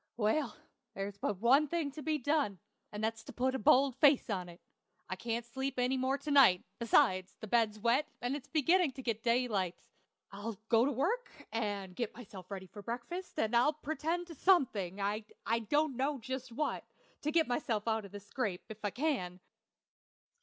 Well, there's but one thing to be done, and that's to put a bold face on it. I can't sleep any more to night; besides, the bed's wet, and it's beginning to get daylight. I'll go to work and get myself ready for breakfast, and I'll pretend to something I don't know just what to get myself out of this scrape, if I can....